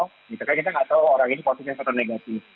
kita tidak tahu orang ini posisinya seperti apa